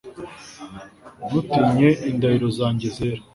Ntutinye indahiro zanjye zera